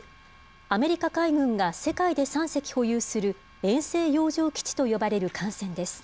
アメリカ海軍が世界で３隻保有する遠征洋上基地と呼ばれる艦船です。